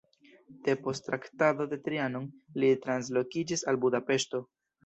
Depost Traktato de Trianon li translokiĝis al Budapeŝto.